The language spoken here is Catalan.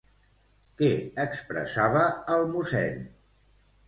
Què expressava el mossèn?